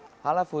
makanan halal juga